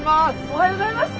おはようございます。